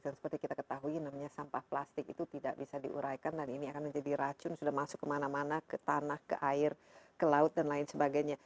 dan seperti kita ketahui namanya sampah plastik itu tidak bisa diuraikan dan ini akan menjadi racun sudah masuk kemana mana ke tanah ke air ke laut dan lain sebagainya